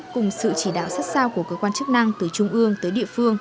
cùng sự chỉ đạo sát sao của cơ quan chức năng từ trung ương tới địa phương